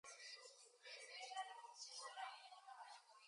Carter pitched "Millennium" to Fox as "Seven" in Seattle.